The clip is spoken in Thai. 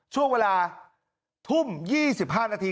ช่วงเวลาทุ่ม๒๕นาที